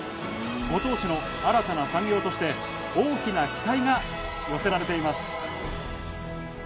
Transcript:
五島市の新たな産業として大きな期待が寄せられています。